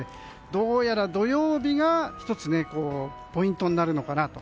どうやら土曜日が１つ、ポイントになるのかなと。